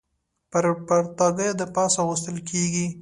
پر پرتاګه د پاسه اغوستل کېږي.